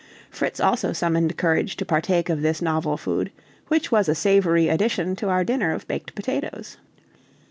Fritz also summoned courage to partake of this novel food, which was a savory addition to our dinner of baked potatoes.